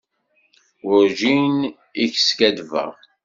Werǧin i k-skaddbeɣ.